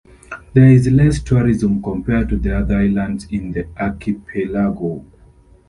There is less tourism compared to the other islands in the archipelago.